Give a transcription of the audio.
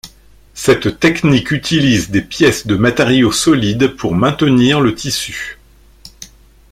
Cette technique utilise des pièces de matériau solide pour maintenir le tissu.